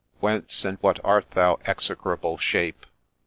' Whence, and what art thou, Execrable Shape